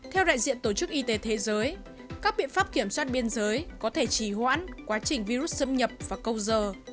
theo đại diện tổ chức y tế thế giới các biện pháp kiểm soát biên giới có thể chỉ hoãn quá trình virus xâm nhập và câu giờ